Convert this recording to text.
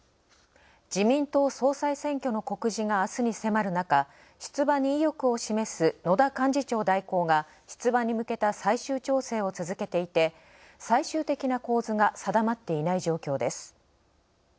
自民党総裁選挙の告示が明日に迫る中、出馬に意欲を示す野田幹事長代行が出馬に向けた最終調整を続けていて、最終的な構図が定まっていない状況です。